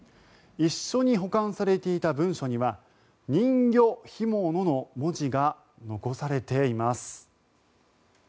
一緒に保管されていた文書には「人魚干物」の文字が残されています。